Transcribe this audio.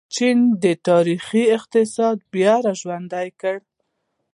چین د تاریخي اقتصاد بیا راژوندی کړ.